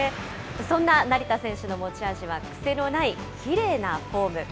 そんな成田選手の持ち味は、癖のないきれいなフォーム。